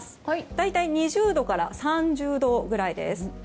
大体２０度から３０度ぐらいです。